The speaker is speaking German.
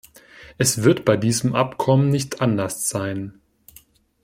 Es wird bei diesem Abkommen nicht anders sein.